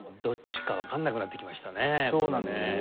どっちかわかんなくなってきましたね。